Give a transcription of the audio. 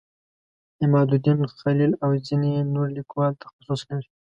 عمادالدین خلیل او ځینې نور لیکوال تخصص لري.